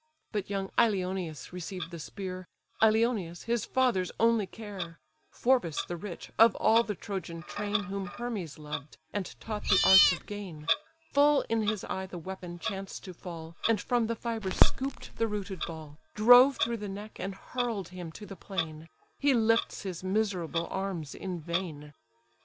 But young Ilioneus received the spear; Ilioneus, his father's only care: (Phorbas the rich, of all the Trojan train Whom Hermes loved, and taught the arts of gain:) Full in his eye the weapon chanced to fall, And from the fibres scoop'd the rooted ball, Drove through the neck, and hurl'd him to the plain; He lifts his miserable arms in vain!